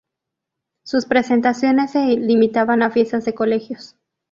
Sus presentaciones se limitaban a fiestas de colegios.